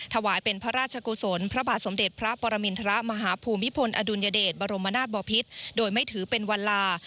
ถวายเป็นพระราชกุศลพระบาทสมเด็จพระปรมินทรมาฮภูมิพลอดุลยเดชบรมนาศบอพิษโดยไม่ถือเป็นวันลา